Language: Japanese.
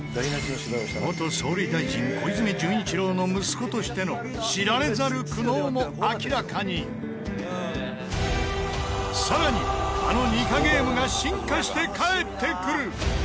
元総理大臣小泉純一郎の息子としてのさらにあのニカゲームが進化して帰ってくる！